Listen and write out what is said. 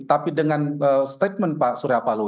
tapi dengan statement pak suryapalo